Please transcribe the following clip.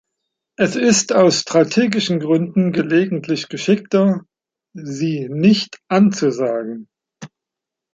Es ist aus strategischen Gründen gelegentlich geschickter, sie nicht anzusagen.